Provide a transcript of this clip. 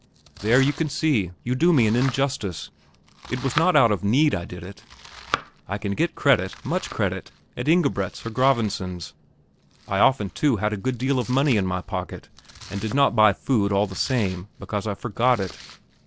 There, you can see, you do me an injustice. It was not out of need I did it; I can get credit, much credit, at Ingebret's or Gravesen's. I often, too, had a good deal of money in my pocket, and did not buy food all the same, because I forgot it.